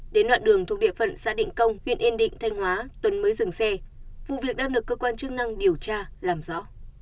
đến đoạn đường thuộc địa phận xã định công huyện yên định thanh hóa tuấn mới dừng xe vụ việc đang được cơ quan chức năng điều tra làm rõ